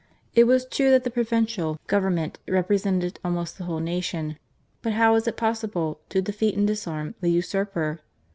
It was true that the Provisional Government represented almost the whole nation, but how was it possible to defeat and disarm the usurper